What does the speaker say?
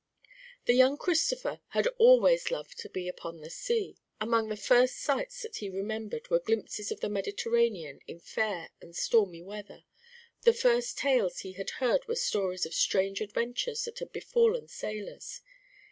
The young Christopher had always loved to be upon the sea. Among the first sights that he remembered were glimpses of the Mediterranean in fair and stormy weather, the first tales he had heard were stories of strange adventures that had befallen sailors.